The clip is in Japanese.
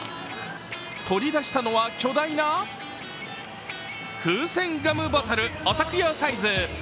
取り出したのは巨大な風船ガムボトルお徳用サイズ。